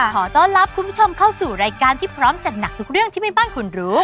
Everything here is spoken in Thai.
ขอต้อนรับคุณผู้ชมเข้าสู่รายการที่พร้อมจัดหนักทุกเรื่องที่แม่บ้านคุณรู้